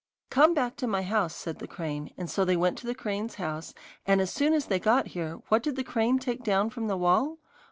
'Come back to my house,' said the crane, and so they went to the crane's house, and as soon as they got there, what did the crane take down from the wall?